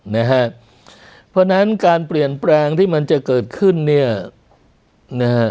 นะฮะเพราะฉะนั้นการเปลี่ยนแปลงที่มันจะเกิดขึ้นเนี่ยนะฮะ